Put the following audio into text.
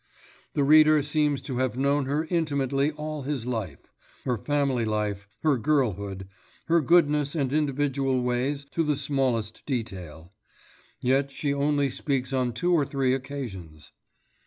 The reader seems to have known her intimately all his life: her family life, her girlhood, her goodness and individual ways to the smallest detail; yet she only speaks on two or three occasions.